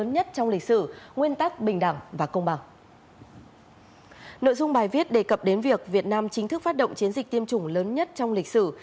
nội dung bài viết đề cập đến việc việt nam chính thức phát động chiến dịch tiêm chủng lớn nhất trong lịch sử